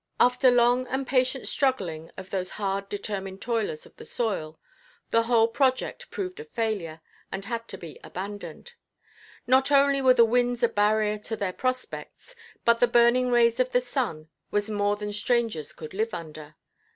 After long and patient struggling of those hard determined toilers of the soil, the whole project proved a failure and had to be abandoned. Not only were the winds a barrier to their prospects, but the burning rays of the sun, was more than strangers could live under.